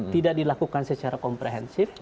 tidak dilakukan secara kompleks